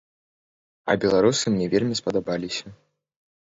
А беларусы мне вельмі спадабаліся.